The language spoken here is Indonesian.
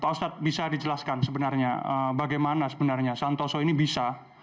pak ustadz bisa dijelaskan sebenarnya bagaimana sebenarnya santoso ini bisa